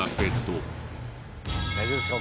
大丈夫ですか？